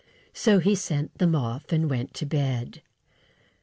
So he sent them off, and went to bed.